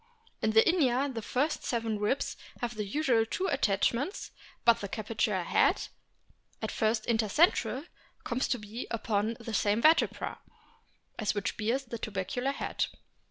In Inia the first seven ribs have the usual two attachments, but the capitular head, at first inter central, comes to be upon the same vertebra as that which bears the tubercular head.